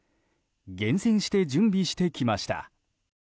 厳選して準備してきました。